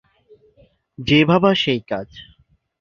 যে ভাবা সে কাজ।